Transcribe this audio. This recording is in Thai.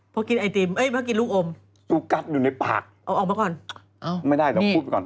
พอกินไอติมเอ้ยพอกินลูกอมออกมาก่อนไม่ได้เราพูดก่อน